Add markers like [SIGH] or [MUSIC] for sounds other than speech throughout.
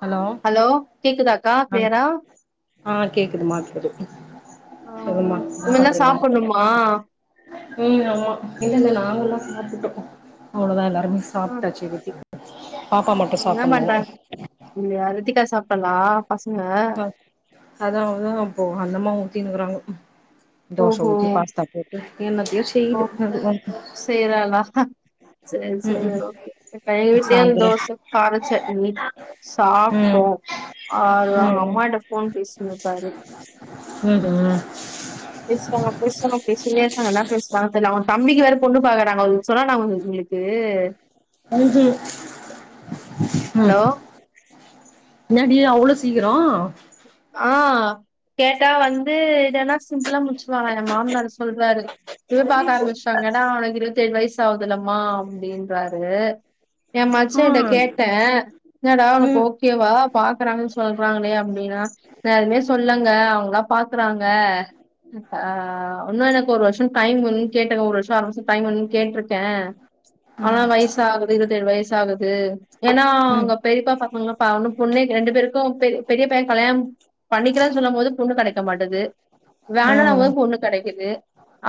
Hello hello கேக்குதாக்கா ஆ கிளியரா ஆ கேக்குதுமா கேக்து ஆ சொல்லுமா என்ன இவங்கல்லா பண்றீங்க சாப்புட்ணுமா ம் ஆமா இல்லங்க நாங்கல்லா சாப்பிட்டோ ஆ என்ன பண்றா அப்டியா ரித்திகா சாப்டலா பசங்க அதான்தா அப்போ அந்தமா ஊத்தினுக்கிறாங்க தோச ஓஹோ ஊத்தி பாஸ்தா போட்டு என்னத்தயோ செய்து [INAUDIBLE] செய்ராலா செரி ம் செரி ம் ஓகே டெய்லியு சாந்தரோ தோச கார சட்னி ம் சாப்ட்டோ ஆவரு அவங்க ம் ம் அம்மாகிட்ட ஃபோன் பேசின் இருக்காரு ம் ம் பேசுறாங்க பேசுறாங்க பேசினேருக்காங்க என்ன பேசுறாங்க தெர்ல அவங்க தம்பிக்கு வேற பொண்ணு பாக்கறாங்க சொன்னனா உங்குளுக்கு து [INAUDIBLE] ம் ஹலோ என்னாடி அவ்ளோ சீக்கிரோ ஆ கேட்டா வந்து இதன்னா சிம்பிளா முடிச்சவாங்கா எ மாமனார் சொ சொல்ராரு இப்ப பாக்க ஆரம்பிச்டாங் எனா அவனுக் இருவத் ஏழு வைஸ் சாவுதிலமா அப்டின்றாரு எ ஆ மச்சன்ட்ட ம் கேட்டே என்னடா உனக்கு ம் ஓகேவா பாக்குறாங்கன் சொல்றாங்களே அப் ப்டினா நா எதுமே சொல்லங்க அவங்களா பாக்குறாங்க ஆ வுன்னு எனக்கு ஒரு வருஷோ டைம் வேணுன் கேட்ருகே ஒரு வருஷோ அர வருஷோ டைம் வேணுன் கேட்டிருக்கே ஆனா ம் வயசாகுது இருபத்தேழு வயசு ஆகுது ஏன்னா ம் அங்க பெரியப்பா பசங்களா பாவோ இன்னு பொண்ணே ரெண்டு பேருக்கு பெர் பெரிய பே கல்யாம் பண்ணிக்கிறேனு சொல்லும் போது பொண்ணு கெடைக்கமாட்டது வேனான்னவுங்க் பொண்ணு கெடைக்குது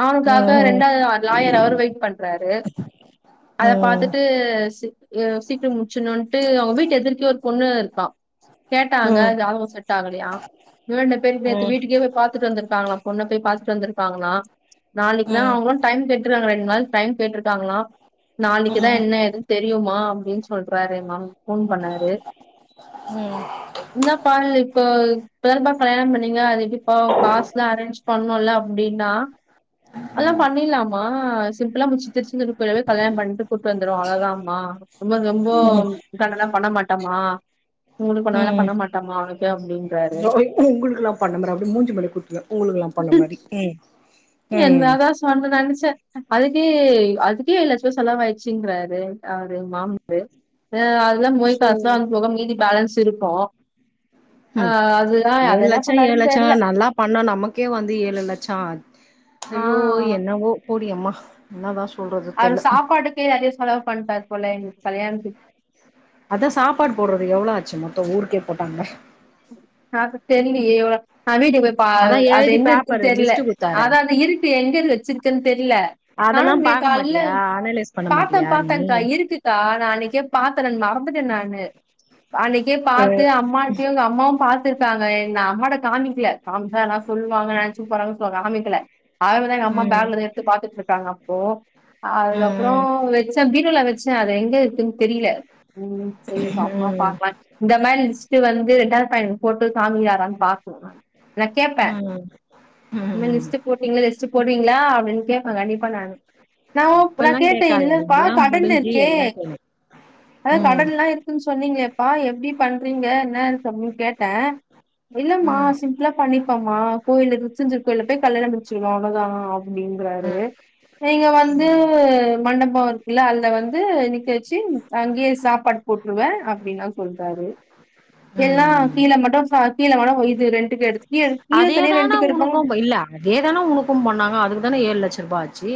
அவனுக்காக ம் ரெண்ட் டாவது அத் லாயர் அவரு வெயிட் பண்றாரு அத ம் ம் பாத்தட்டு சி சீக்கிரோ முடிச்சணுன்ட்டு அவுங் வீட் எதிர்கவே ஒரு பொண்ணு இருக்கா கேட்டாங்க ம் அது அவுங் கு செட் ஆகலையா [UNINTELLIGIBLE] பேருக் நேத்து ம் ம் வீட்டுக்கே போயி பாத்துட்டு வந்திருக்காங்களா பொண்ண போய் பாத்துட்டு வந்திருக்காங்களா நாளைக்குனா ம் அவுங்களு டைம் கேட்ருக்காங்க ரெண்ட் நாள் டைம் கேட்ருக்காங்களா நாளைக்குதா என்ன ஏதுன் தெரியுமா அப்டின் சொல்றாரு எங் [INAUDIBLE] ஃபோன் பண்ணாரு ம் இன்னா [UNINTELLIGIBLE] இப்போ பேர்க்கு தா கல்யாணம் பண்ணீங்க அதுக் இப்போ காஸ் லா அரேஞ்ச் பண்ணுல்ல அப்டின்னா அதெல்லா பண்ணிட்லாமா சிம்பிளா முச்சு திருச்செந்தூர் கோவில்லலோய் கல்யாணம் பண்ட்டு கூட்டு வந்துருவோ அவ்ளோதாம்மா ரொம்ப ரொம்ப [UNINTELLIGIBLE] பண்ண மாட்டமா உங்களுக் [UNINTELLIGIBLE] பண்ண மாட் ட்டமா அப்டின் [UNINTELLIGIBLE] உங்குளுக்லா பண்ண மாரி அப்டி மூஞ்சு மேல குத்துவே உங்குளுக்குலா பண்ண மாரி ம் ம் என்னாதா ஸ் ஒன்னு நெனச்சே அதுக்கே அதுக்கே ஏல்லட்ச ரூவா செலவு ஆயிச்சுங்கறாரு அவுரு எங் மாம் ஆ அதெல்லா மோய் சேரி காசுல்லா வந்து போக மீதி பேலன்ஸ் இருக்கு ஆ ம் அதுதா அத ஏழு என்ன லட்சோ ஏழு பண்ணாருன் லட்சோ தெர்ல நல்லா பண்ணா நமக்கே வந்து ஏழு லட்சோ ஆச் ஆ அய்யோ என்னவோ போடியம்மா என்ன தா சொல்றது அவரு தெர்ல சாப்பாட்டுக்கே நெறைய செலவு பண்ட்டாரு போல இன்னிக் கல்யாண்த்துக் அதா சாப்பாடு போட்றது எவ்ளோ ஆச்சு மொத்தோ ஊருக்கே போட்டாங்கா [UNINTELLIGIBLE] ப அதா அது எழுதி எங் இருக்குன் பேப்பரு தெர்ல லிஸ்ட்டு குடுத்தாரே அதா அந்த இருட்டு எங்க வெச்சிருக்கன் தெர்ல அதெல்லா காணமே பாக்க கால்ல மாட்டியா அனலைஸ் பண்ண பாத்தே மாட்டியா நீ பாத்தேன்க்கா இருக்குக்கா நா அன்னைக்கே பார்த்தே நானு மறந்துட்டே நானு அன்னைக்கே பார்த்து அம்மா த்தங்க அம்மாவு பார்த்துருக்காங்க ந அம்மட காமிக்கல காமிக்கா எல்லா சொல்லுவாங்க நினைச்சு போறாங்கு சொல்லுவா காமிக்கல அவதான் எங்க அம்மா ம் பேக்ல எடுத்து பார்த்துட்டு இருக்காங்க அப்போ அதுக்கப்புறம் ம் வச்ச வீடுல வச்ச செ அது எங்க இருக்குன்னு தெரியல உம் சேரி ம் மா ம் பாக்லாம் இந்த மாரி லிஸ்ட் வந்து இ ரெண்டாவது டைம் போட்டு சாமி யாரான்னு பாக்கும் நானு நான் கேடப்பே ம் ம் லிஸ்டு போட்டீங்களா லிட் போட்டிங்களா அப்டின்னு கேப்பே கண்டிப்பா நானு நா அப்ரோ இப்பல்லா கேட்டேன் கேக்காத இல்லப்பா எல்லா கடன் முடிஞ்சு இருக்கே எல்லா கேளு அ ம் கடன் லா இருக்குன்னு சொன்னீங்க ப்பா எப்டி பண்றீங்க என்ன சொல்லி கே ட இல்லமா ம் சிம்பிளா பண்ணிப்போம்மா கோயில திருச்சந்தூர் கோயில போய் கல்யணம் முடிச்சிருவோம் அவ்ளோதா அப்டின்றாரு நீங்க வந்து ம் மண்டப இல்ல அதுல வந்து நிக்க வச்சு அங்கேயே சாப்பாடு போட்டுருவே அப்டின்னு நா சொல்றே அதாவது எல்லா ம் கீழே மட்டும் சா கீழே மட்டும் இது ரெண்டுக்கு எடுத் கீழ கீழே தனியே ரெண்டுக்கு எடுப்போ அதே தான உனக்கும் பண்ணாங்க அதுக்கு தான ஏழு லட்சம் ரூபா ஆச்சு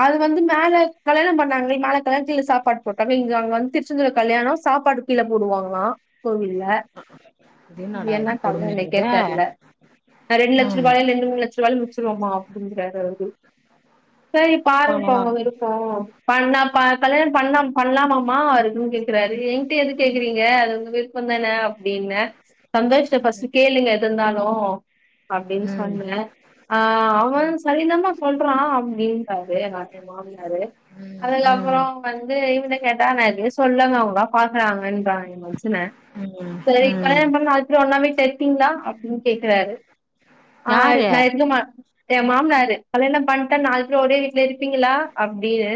அது வந்து மேல கல்யணம் பண்ணாங்க மேல கல்யணதில சாப்பாடு போட்டாங்க இங்க அங்க வந்து திருச்சந்தூ கல்யாணம் சாப்பாடு கீழே போடுவாங்களா கோவில்ல இது என்னடா இது என்ன கதன்னு எனக்கே கொடுமையாகுதே தெர்ல ரெண்டு லட்ச ம் ரூபாய்ல ரெண்டு மூண லட்ச ருபாய்ல முச்சருவோமா அப்டிங்றாரு சேரி பாருப்பா உங்க பாவம் விருப்போ பண்ணா பா கல்யாண பண்ணா பண்ணலாமா வருக்குன்னு கேக்குறாரு என்கிட்ட எது கேக்குறீங்க அது உங்க விருப் ப தான அப்டின்னே சந்தோஷ்ட ம் ஃபஸ்ட் கேளுங்க எதுருந்தாலு அப்டினு ம் சொன்னே ஆ அவ சரிதமா சொல்றா அப்டின்றாரு நா எ மாமியாரு அதுக்கப்றோ ம் ம் வந்து இவங்ட்ட கேட்டா நா எதுமே சொல்லமா அவங்களா பாக்குறாங்கன்றாங்க மச்சின ம் சரி ம் கல்யாணம் பண்னா அக்கப்றோ ஒண்ணா வீட்லருப்பிங்ளா அப்டின்னு கேக்குறாரு ஆ யாரு நா இருக்க மா எ மாமனாரு கல்யாண பண்ட்டா நாலு பேரு ஒரே வீட்ல இருப்பீங்களா அப்டினு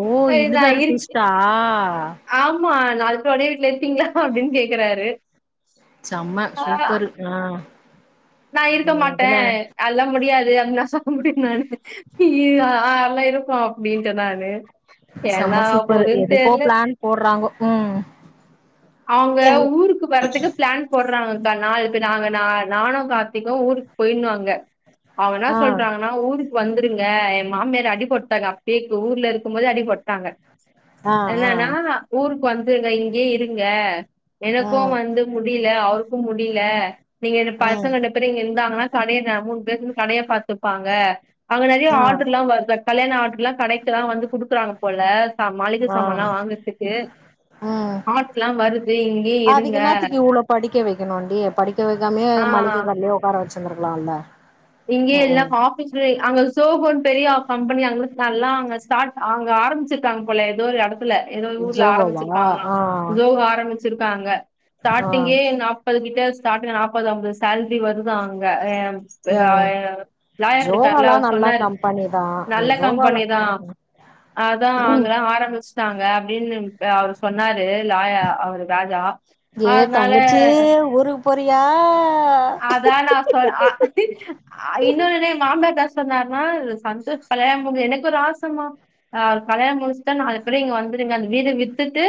ஓ சரி இது நா வேற இருக் ட்விஸ்ட்டா ஆமா நாலு பேர் ஒரே வீட்ல இருப்பீங்ளா அப்டினு கேக்குறாரு செம்ம சூப்பரு ஆ நா இது இருக்க மாட்டே எதுல அ துலா முடியாது அப்டினா சொல்ல முடியு நானு ஆ அதல்லா இருப்போ அப்டின்ட்ட நானு செம்ம சூப்பரு ஏன்னாவபோதுன்னு எதுக்கோ தெர்ல பிளான் போடுறாங்கோ ம் அவங்க ஊருக்கு வரதுக்கு பிளான் பிளான் போட்றாங்கக்கா நாலு பேர் நாங்க நா நானு கார்த்திக்கு ஊருக்கு போயனு அங்க அவ என்ன ஆ சொல்டாங்கன்னா ஊருக்கு வந்துருங்க என் மாமியார் அடிப்பட் டாங்க அப்டியே ஊர்ல இருக்கு போதே அடி போட்டாங்க ஆ என்னன்னா ஆ ஊருக்கு வந்துறே இங்கயே இருங்க எனக்கு வந்து முடியல அவ கு முடியல நீங்க இத ம் பஸ் ம் ங்க இருந்தாங்கன்னா கடைய மூணு பேர் இருந்து கடையை பாத்துப்பாங்க அங்க நெறைய ஆ ஆர்டர்ல்லா வருதாட் கல்யாண ஆர்டர்லா கடைக்கெல்லா வந்து குடுக்குறாங்க போல ச மளிக சாமான்லா வாங்கறதுக்கு உம் இருங்க. அதுக்கென்னத்துக்கு இவ்ளோ படிக்க வைக்கணுண்டி படிக்க வைக்காமே ஆ மளி க கடைலயே உக்கார வச்சிருந்தருக்கலால இங்கயே இல்ல ஹா [UNINTELLIGIBLE] அங்க சோ பண்ணி பெரிய கம்பெனி அங்க நல்லா அங்க ஸ்டாட் அவங்க ஆரம்பிச்சிருக்காங்க போல எதோ ஒரு எடத் துல எதோ ஒரு ஊர்ல ஜோகோவா ஆரம்பிச்சிருக்காங்களா ஆ சோஹோ ஆரம்பிச்சிருக்காங்க ஆ ஸ்டாடிங்கே நாப் ப்பது கிட்ட ஸ்டாடிங் நாப்பது அம்பது சேலரி வருதா அங்க எ ஆ ம் எங்க லாயர் ருக்கார்ல ஜோகாலா அவர் நல்லா சொன்னாரு கம்பெனி தா அந்த நல்ல ஜோகால கம்பெனிதா அதா ஆங்கதா ஆரம்பிச் சிட்டாங்க அப்டினு அ அவுரு சொன்னாரு லாயா அவுரு ராஜா ஏ அதனால தங்கச்சி ஊருக்கு போறியா அதா நா சொ அ அ இன்னொரு என்ன எங் மாம்னார் இன்ன சொன்னார்ன்னா சந்தோ கல்யாண முடிஞ் எனக்கொரு ஆசமா அவுர் கல்யாண முடிஸ்ட்டா நாள பின்ன இங்க வந்துடுங்க அந்த வீட வித்துட்டு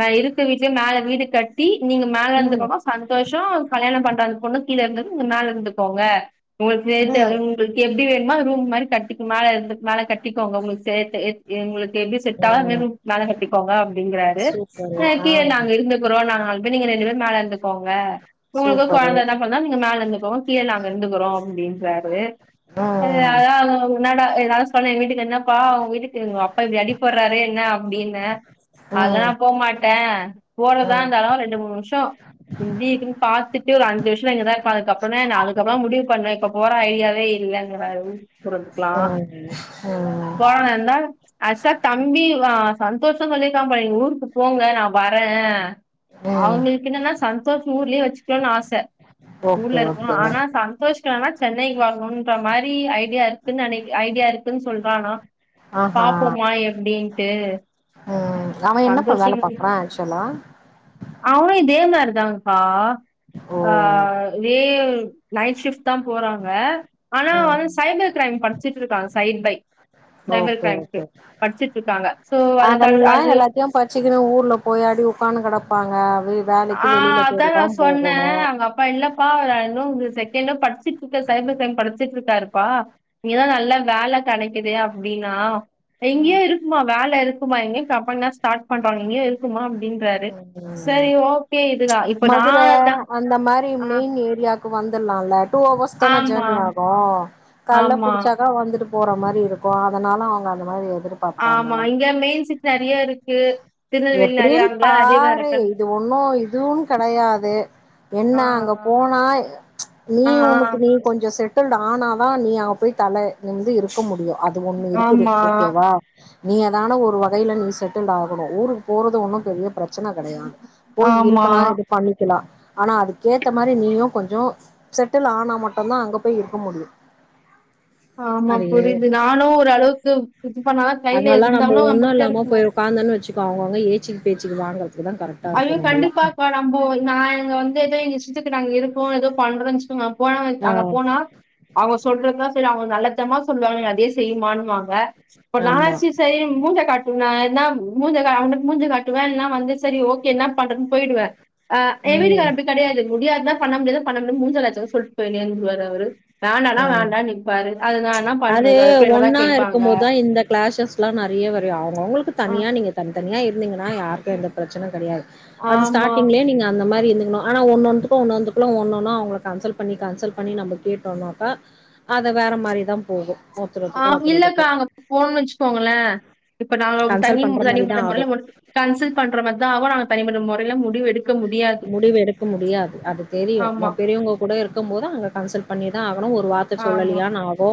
நா இருக்க வீட்லே மேல வீடு கட் டி நீங்க மேல ம் இருந்துக்கோங்க சந்தோஷு கல்யாண பண்ற அந்த பொண்ணு கீழ இருந்துன் நீங்க மேல இருந்துக்கோங்க உங்களுக் சேத்தே ம் உங்களுக் எப்டி வேணுமா அது ரூம் மாரி கட்டிக் மேல இருந்து மேல கட்டிக்கோங்க உங்களுக் சேத்து எங்களுக்கு எப்டி செட்டாவு அந்மாரி ம் ரூம் மேல கட்டிக்கோங்க அப்டிங்குறாரு சூப்பரு அ ஆ கீழ நாங்க இருந்துக்குறோ நாங்க நால் பேர் நீங்க ரெண்டு பேரு மேல இருந்துக்கோங்க உங்களுக்கு சூப்பரு கொழந்ததா சோ அத்னால மேல இருந்துக்கோங் கீழ நாங்க இருந்துக்குறோ அப்டின்றாரு செரி ம் அதா அவுங்க என்னடா அதா நா சொன்னே எங்க வீட்டுக்கார் இன்னப்பா உங் வீட்டுக்கு உங்க அப்பா இப்டி அடி போட்றாரு இன்னா அப்டினு அதெலா நா ம் போ மாட்டே போறதா ம் இருந்தாலு ஒர் ரெண்டு மூணு வருஷோ எப்டி இக்குன் பாத்துட்டு ஒரு அஞ்சு வஷ் ஷோ இங்கதா இருப்ப அதுக்கப்பறோதா நா அதுக்கப்புறோதா முடிவு பண்வே இப்போ போற ஐடியாவே இல்லங்கறாரு ரூம் குடுக்லா ம் ம் போறதா இந்தா அக்ச்லா தம்பி ஆ சந்தோஷ்தா சொல்லிர்க்கா போல நீ ஊருக்கு போங்க நா வரே ம் அவுங்களுக் என்னன்னா சந்தோஷ் ஊர்லியே வெச்சுக்கிணு ஆச ஓகே ஊர்ல இருக்கனு ஓகே ஆனா சந்தோஷ் க்கு ஆனா சென்னைக்கு வரனுன்ற மாரி ஐடியா இருக்குன்னு நெனை ஐடியா இருக்குன் சொல்றானா ஆஹா பாப்போமா எப்புடீன்ட்டு ம் அவன் என்னப்பா வேல பாக்குறா ஆக்சுவலா அவனு இதே மேரிதாங்க்கா ஓ அ வேவ் நைட் ஷிஃப்ட்தா போறாங்க ஆனா ம் வந் சைபர் கிரைம் பட்ச்சிட்ருக்காங்க சைட் பை சைபர் ஓகே கிரைம்க்கு ஓகே பட்ச்சுட்ருக்காங்க சோ அது த அது த பச்சிக்குனு ஊர்ல போயாடி உக்கானு கிடப்பாங்க அப் ஆ அதா நா சொன்னே அவுங்கப் பா இல்லப்பா இன்னு ஒரு செகெண்டா படிச்சுட்ருக்கார் சைபர் கிரைம் படிச்சுட்ருக்காருப்பா இங்கதா நல்ல வேல கெடைக்குதே அப்டீனா ம் இங்கயு இருக்குமா வேல இருக்குமா இங்யு கம்பென்லா ஸ்டாட் பண்றாங்க இங்கியு இருக்குமா அ ப்டின்றாரு ம். சேரி ஓ மதுர அந்த மாரி ஆ மெயின் ஏரியாக்கு வந்துலால டூ அவர்ஸ் தான ஆமா ஜேனி ஆகு கால்ல ஆமா புடிச்சாக்கா வந்துட்டு போற மாரி இருக்கு அதனால அவுங்க அந்த மாரி எதிர் ஆமா இங்க மெயின் சிட்டி நெறைய இருக்கு திருநெல்வேல்ல நெறைய எப்டின்னு அ பாரு இது ஒண்ணு இதுவு கெடையாது ஆ என்னா அங்க போனா நீ ஆ ஆ உனுக்கு நீ கொஞ்சோ செட்டில்டு ஆனதா நீ அங்க போய் தல நிமிர்ந்து இருக்க முடியு அது ஒண்ணு இருக்குது ஆமா ஓகேவா நீங்க தான ஒரு வகையில நீ செட்டில்டாகணு ஊருக்கு போறது ஒன்னும் பெரிய ப்ரச்சனை கெடையாது போய் இருக்கலா ஆமா இது பண்ணிக்கலா ஆனா அதுக்கேத்த மாரி நீயு கொஞ்சோ செட்டில் ஆனா மட்டுந்தா அங்க போய் இருக்க முடியு ஆமா அது புரியுது நானு ஒரு அளவுக்கு இது பண்ணாதா அதுனாலதா நம்ம ஒண்ணு இல்லாம போய் உக்காந்தோன்னு வச்சுக்கோங்க அவுங்கவுங்க ஏச்சிக்கு பேச்சுக்கு வாங்கறதுக்கு தா கரெக்ட் ஐயோ கண்டிப்பா இப்ப நம்போ நா எங்க வந்து எதோ எங்க இஷ்டத்துக்கு நாங்க இருக்கோ எதோ பண்றோன் வச்சுக்கோங்க போனவே ஆ அங்க போனா அவுங்க சொல்றதுதா சரி அவுங்க நல்ல விதமா சொல்லுவாங்க அதே செய்யுமானுவாங்க இப்ப நா ஆமா செரி செய் மூஞ்ச காட்டுவே என்ன மூஞ்சிய கா அவன்ட மூஞ்சிய காட்டுவேன்லா வந்து செரி ஓகே என்ன பண்றேதுன் போய்டுவே ஆ எங்க ம் வீட்டுக்காரர் ப்டி கெடையாது முடியாதுன்னா பண்ண முடியாதா பண்ண முடியும் மூஞ்சுல அடுச்சமார் சொல்ட்டு போயினே இருந்துருவாரு அவரு வேண்டான்னா ஆ வேண்டான் நிப்பாரு அது நா என்ன பண்றது அது எப்டி என்னதா கேப்பாங்க த்துலா நெறையா வரு அவுங்க அவுங்களுக்கு தனியா நீங்க தனித்தனியா இருந்தீங்கன்னா யாருக்கு எந்த ப்ரச்சன கெடையாது அது ஆமா. ஸ்டார்டிங்லே நீங்க அந்த மாரி இருந்துக்னு ஆனா ஒன்னொன்னுத்துக்கு ஒன்ன ஒன்னுந்துக்குள்ளு ஒன்னு ஒன்னா அவுங்களை கன்சல்ட் பண்ணி கன்சல்ட் பண்ணி நம்ம கேட்டோன்னா தா அத வேற மாரிதா போகு ஆ ஒருத்தரொருத்துக்கு ஒருத்தரொருத்துக்கு இல்லக்கா அங்க போன்னுன் வச்சுக்கோங்களே இப்ப நாங்க கன்சல்ட் தனிம் பண்ற மாரிதா தனிப்பட்ட ஆகு மொறையில கன்சல்ட் பண்ற மாரிதா அவுங்க நாங்க தனிப்பட்ட மொறையில முடிவு எடுக் முடிவு எடுக்க முடியாது அது தெரியு நம்ம ஆமா, பெரியவங்க கூட இருக்கும் போது அங்க கன்சல்ட் பண்ணிதா ஆகணு ஒரு வார்த்த ஆமா. சொல்லலையான்னு ஆகு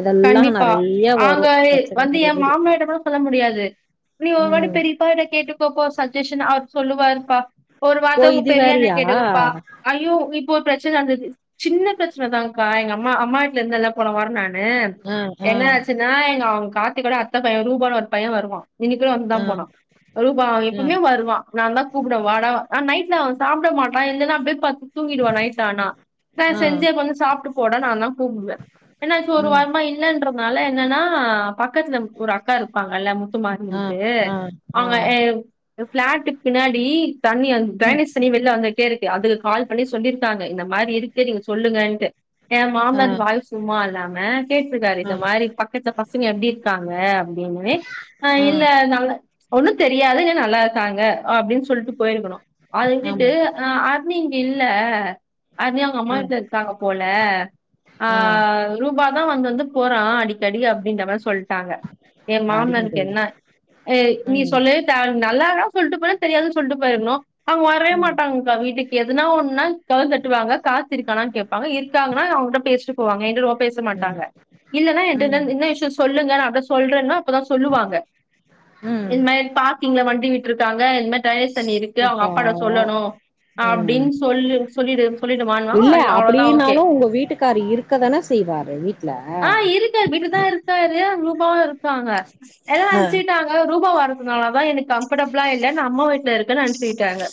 இதெல்லா கண்டிப்பா நெறைய ஆங்க வரு எ வந்து எ பிரச்சனைகள் மாமானார்ட்ட கூட சொல்ல முடியாது நீ ஒரு வாட்டி ம் பெரியப்பாட்ட கேட்டுக்கோப்பா சஜெஷன் அவர் சொல்லுவாருப்பா ஒரு ஓ வார்த்த உங்க இது பெரிய வேறயா அண்ணேகிட்டே கேட்டுக்கோப்பா ஐயோ இப்போ ஒரு ப்ரச்சன நடந்தது சின்ன ப்ரச்சனதானீக்கா எங்க அம்மா அம்மா வீட்ல இருந்து எல்லா போன வரோ நான் னு ஆ ஆ என்ன ஆச்சுன்னா எங்க அவுங்க காத்து கூட அத்த பையே ரூபன்னு ஒரு பையே வருவா இன்னிக்கு அங்க தா ஆ போனோ ரூபா ஆ எப்பவுமே வருவா நா தா கூப்ட்டே வாடா நைட்ல அவன் சாப்புட மாட்டா இல்லைன்னா அப்டியே பட்த் தூங்கிடுவா நைட்ல ஆனா அ ஆ செஞ்சே கொஞ்ச சாப்ட்டு போடா நாந்தா கூப்புடுவே என்னாச்சு ஒரு ம் வாரமா இல்லன்றதுனால என்னன்னா பக்கத்துல ஒரு அக்கா இருப்பாங்கல்ல முக் து ஆ மாட்டிகிட்டு ஆ ஆ அவுங்க எ ப்ளாட்டுக்கு பின்னாடி தண்ணி அந் ம் டிரைனேஜ் தண்ணி வெள்ல வந்துட்டே இருக்கு அதுக்கு கால் பண்ணி சொல்லியிருக்காங்க இந்த மாரி இருக்கு நீங்க சொல்லுங்கன்ட்டு ஏ ஆ மாமனார் வாய் சும்மா இல்லாம கேட்ருக்காரு ஆ இந்த மாரி பக் மித்த பசங்க எப்டி இருக்காங்க அப்டின்னு அ ஆ இல்ல நல்ல ஒண்ணுந் தெரியாது இங்க நல்லா இருக்காங்க அப்டின் சொல்ட்டு போயிருக்கணு அத விட்டுட்டு ஆமா அ அர்னி இங்க இல்ல அர்னி அவுங்க அம்மா ஆ கிட்ட இருக்காங்க போல. ஆ ரூபா தா வந்து வந்து போறா அடிக்கடி அப்டின்ற மாரி சொல்ட் ட்டாங்க என மாமனாருக்கு அடிங்கய என்ன எ நீ ம் சொல்லு அவனுக்கு நல்லாதா சொல்ட்டு போனா தெரியாது சொல்ட்டு போய்ர்ணு அவுங்க வரவே ம் மாட்டாங்க்கா வீட்டுக் எதுனா ஒன்னுனா கதவ தட்டுவாங்க கார்த்தி இருக்கானான் கேபாபாங்க இருக்காங்கன்னா அவுங்கட்ட பேஸ் ச்சு போவாங்க இது ரொம்ப பேச ம் மாட்டாங்க இல்லன்னா என்ட ம் தென் என்ன விஷயோ சொல்லுங்க நான அத சொல்றேன்னா அப்பதா சொல்லுவாங்க ம் இத் மாரி பார்க்கிங்ள வண்டி விட்ருக்காங்க இந்த மாரி தயசனி இருக்கு அவுங்க அப்பா அப்பாட சொல்லணு ம் அப்டின் சொல்லு சொல்லிடு சொல்லிட்டுவான்னா இல்ல அன் அப்டின்னாலு உங்க வீட்டுக்காரு இருக்கதான செய்வாரு வீட்ல ப்டி தா இருக்காரு ரூபாவு இருப்பாங்க எல்லா ஆ அடிச்சிகிட்டா நா அங்க ரூபா வர்றதுனால தான் எனக்கு கம்பர்டபிளா இல்ல நா அம்மா வீட்ல இருக்கன் நினச்சு ச்சிகிட்டாங்க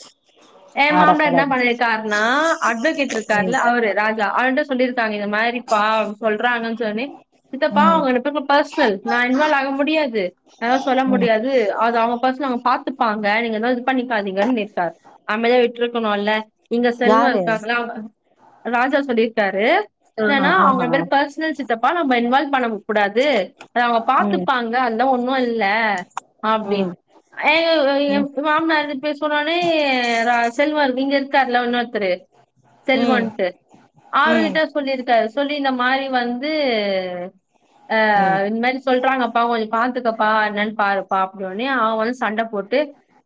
ஏ அட மாமனார் என்ன கடவுளே பண்ணிருக்காருனா அட்வகேட் இருக்கார் ம் ல்ல அவரு ராஜா அவருகிட்ட சொல்லியிருக்காங்க இந்த மாதிரிப்பா சொல்றாங்கன்னு சொல்லி சித்தப்பா ம் அவுங்க ரெண்டு பேருக்குல்ல பர்ஸ்னல் நா இன்வால்வ் ஆக முடியாது நா எதாவது சொல்ல ம் முடியாது அது அவுங்க பர்சன் அவுங்க பாத்துப்பாங்க நீங்க எதா இது பண்ணிக்காதீங்கன்னு நேக்காரு அமைதியா வீட்ல இருக்கணும்ல்ல இங்க செல்வம் யாரு இருக்காங்களா அவுங் ராஜா சொல்லியிருக்காரு ஆஹா என்னன்னா அவுங்க ஆஹா பேரு பர்ஸ் னல் சித்தப்பா நம்ப இன்வால்வ் பண்ணக் கூடாது அத அவுங்க ம் பாத்துப்பாங்க அதெல்ல ஒன்னும் இல்ல ம் அப்டின்னு ஐ ம் ஏன் மாமனாரு இப்டி சொன்னோன்னே செல்வம் இங்க இருக்காருல இன்னொருத்தரு ம் செல்வன் ம் ஆரோகிட்ட சொல்லியிருக்காரு சொல்லி இந்த மாரி வந்து ஆ ம் இந்த மாரி சொல்றாங்கப்பா கொஞ்சம் பாத்துக்கப்பா என்னன்னு பாருப்பா அப்டின் உடனே அவன் வந்து சண்ட போட்டு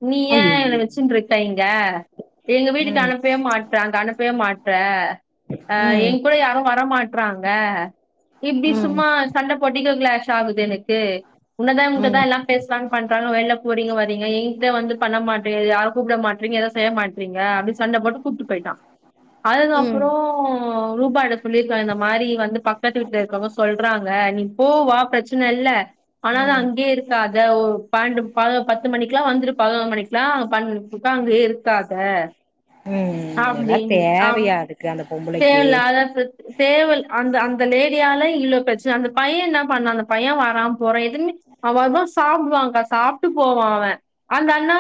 நீ ஏன் என்ன அய்யய்யோ வச்சுன்ட் இருக் சைங்க எங்க ம் வீட்டுக்கு அனுப்பவே மாட்டுற க அனுப்பவே மாட்ற அ ம் எங் கூட யாரு வரமாட்றாங்க இப்படி ம் சும்மா சண்ட [UNINTELLIGIBLE] எனக்கு உன்னதா உங்கிட்டதா ம் எல்லா பேசுறாங்க பண்றாங்க வெளில போறீங்க வரீங்க எங்கிட்ட வந்து பண்ண மாட்டேங்க யார் கூப்பிட மாட் நீங்க எதுவு செய்ய மாட்டறீங்க அப்டி சண்ட போட்டு கூப்டு போயிட்டா அது ம் அப்றோ ரூபாகிட்ட சொல்லிருக்கா இந்த மாரி வந்து பக்கத்து வீட்ல இருக்குறவங்க சொல்றாங்க நீ போவா பிரச்சன இல்ல ஆனாலு ம் அங்கேயே இருக்காத ஒரு பன்னெண்டு பத்து மணிக்கு எல்லா வந்துரு பதினோரு மணிக் லா பண் உக்காந்தே இருக்காத அப்டின் அப் இதுக்கே அந்த பொம் தேவல்லாத பிரச்சன தேவல் அந்த அந்த லேடியால இ்வ்லோ பிரச்சனை அந்த பைய இன்ன பண்ண அந்த பைய வராம போற எதுமே அவா அத சாப்டுவங்க்கா சாப்ட்டு போவா அவ அந்த அண்ணா